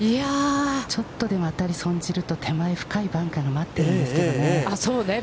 ちょっとでも当たり損じると手前、深いバンカーが待っているんですけどね。